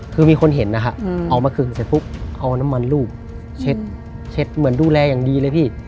คือมีคนเห็นนะฮะเอามาขึงเสร็จปุ๊บเอาน้ำมันรูปเช็ดเหมือนดูแลอย่างดีเลยพี่